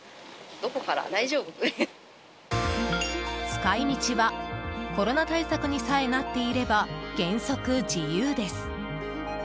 使い道はコロナ対策にさえなっていれば原則、自由です。